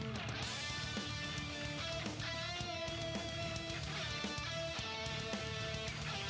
โต๊ะยี่เทอดี